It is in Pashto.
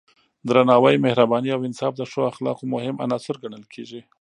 درناوی، مهرباني او انصاف د ښو اخلاقو مهم عناصر ګڼل کېږي.